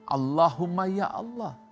allahumma ya allah